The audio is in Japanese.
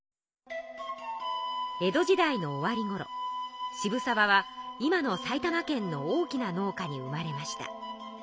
江戸時代の終わりごろ渋沢は今の埼玉県の大きな農家に生まれました。